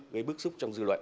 ngay bước xúc trong dư luận